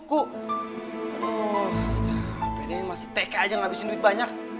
aduh cara ngapain dia masih teka aja ngabisin duit banyak